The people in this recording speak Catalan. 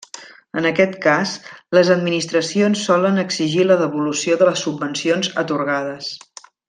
En aquest cas, les administracions solen exigir la devolució de les subvencions atorgades.